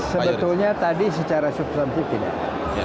sebetulnya tadi secara substantif tidak